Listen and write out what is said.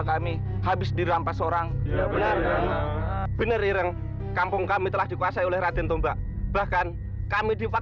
sampai jumpa di video selanjutnya